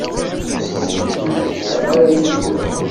Ur tettemsefham ara yid-m?